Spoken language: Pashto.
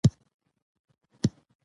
خاص امر به نه صادریږي.